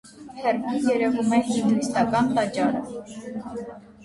Հեռվում երևում է հինդուիստական տաճարը։